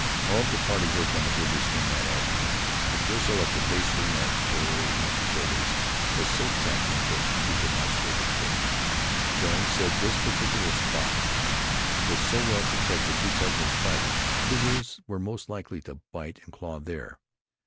All of the party worked on the cougar skin that afternoon. The gristle at the base of the neck, where it met the shoulders, was so tough and thick we could not scrape it thin. Jones said this particular spot was so well protected because in fighting, cougars were most likely to bite and claw there.